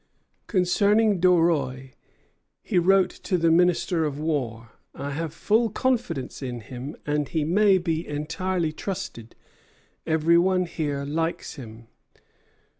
Concerning Doreil he wrote to the Minister of War: "I have full confidence in him, and he may be entirely trusted. Everybody here likes him."